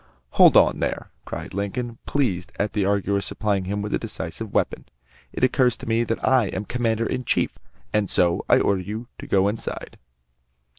"Hold on, there!" cried Lincoln, pleased at the arguer supplying him with a decisive weapon; "it occurs to me that I am commander in chief! and so, I order you to go inside!"